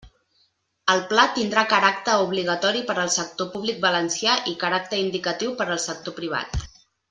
El pla tindrà caràcter obligatori per al sector públic valencià i caràcter indicatiu per al sector privat.